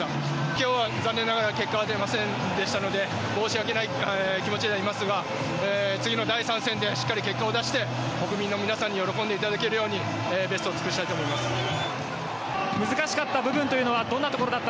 今日は残念ながら結果は出ませんでしたので申し訳ない気持ちではありますが次の第３戦でしっかり結果を出して国民の皆さんに喜んでいただけるようにベストを尽くしたいと思います。